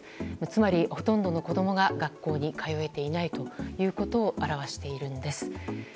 つまり、ほとんどの子供が学校に通ていないということを表しているんです。